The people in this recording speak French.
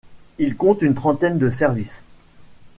Il compte une trentaine de services.